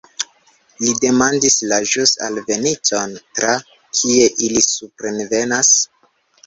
Li demandis la ĵus alveninton: "Tra kie ili suprenvenas?"